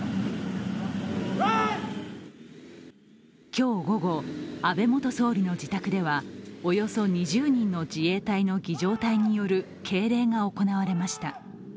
今日午後、安倍元総理の自宅ではおよそ２０人の自衛隊の儀じょう隊による敬礼が行われました。